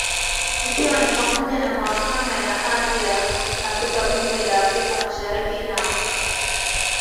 ikiwa ni pamoja na Mahakama ya Haki ya Afrika Bunge la Afrika Mashariki na